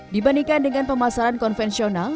dibandingkan dengan pemasaran konvensional